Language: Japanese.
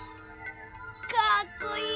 かっこいい！